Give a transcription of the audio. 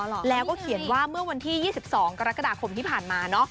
แล้วก็เขียนว่าเมื่อวันที่๒๒กรกฎาคมที่ผ่านมาเนอะ